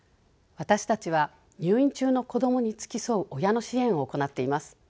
私たちは入院中の子どもに付き添う親の支援を行っています。